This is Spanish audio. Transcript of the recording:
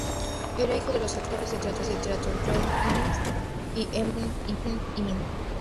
Era hijo de los actores de teatro John Ince y Emma Brennan Ince.